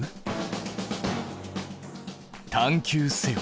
探究せよ！